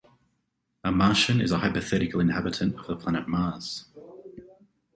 A Martian is a hypothetical inhabitant of the planet Mars.